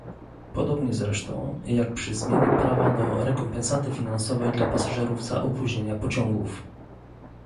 Podobnie zresztą, jak przy zmianie prawa do rekompensaty finansowej dla pasażerów za opóźnienia pociągów